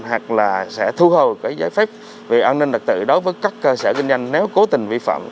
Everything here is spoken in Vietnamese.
hoặc là sẽ thu hồn giấy phép về an ninh đặc tự đối với các cơ sở kinh doanh nếu cố tình vi phạm